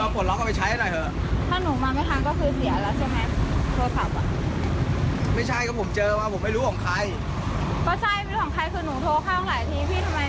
ผมจะปวดล็อคใช้อยู่แล้วเนี่ย